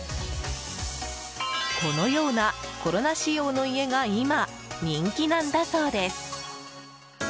このようなコロナ仕様の家が今、人気なんだそうです。